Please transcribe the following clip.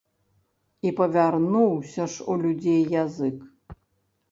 І павярнуўся ж у людзей язык!